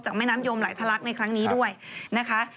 แม่น้ำยมไหลทะลักในครั้งนี้ด้วยนะคะ